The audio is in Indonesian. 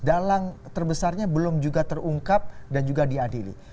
dalang terbesarnya belum juga terungkap dan juga diadili